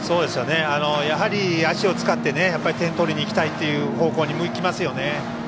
やはり、足を使って点を取りにいきたいという方向に向きますよね。